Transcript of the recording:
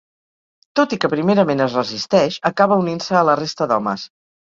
Tot i que primerament es resisteix, acaba unint-se a la resta d'homes.